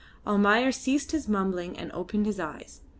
Almayer ceased his mumbling and opened his eyes.